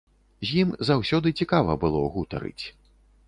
З ім заўсёды цікава было гутарыць.